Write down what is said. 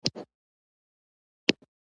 دا د نظامونو د بدلون یو معمول و.